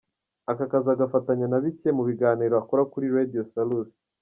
Aka kazi agafatanya na bike mu biganiro akora kuri Radio Salus.